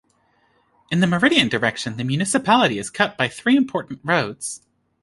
In the meridian direction the municipality is cut by three important roads.